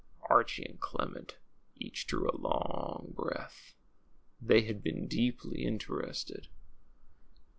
Archie and Clement each drew a long breath. They had been deeply interested.